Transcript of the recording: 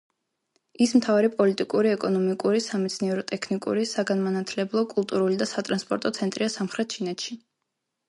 ის მთავარი პოლიტიკური, ეკონომიკური, სამეცნიერო-ტექნიკური, საგანმანათლებლო, კულტურული და სატრანსპორტო ცენტრია სამხრეთ ჩინეთში.